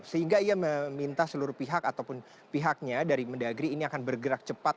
sehingga ia meminta seluruh pihak ataupun pihaknya dari mendagri ini akan bergerak cepat